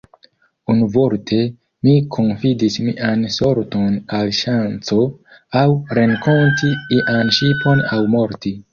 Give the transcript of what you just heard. Unuvorte, mi konfidis mian sorton al la ŝanco; aŭ renkonti ian ŝipon aŭ morti.